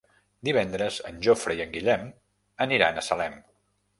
Divendres en Jofre i en Guillem aniran a Salem.